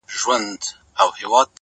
ماخو ستا غمونه ځوروي گلي ،